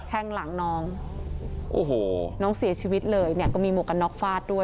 แห้งหลังน้องโอ้โหน้องเสียชีวิตเลยเนี่ยก็มีหมวกกันน็อกฟาดด้วย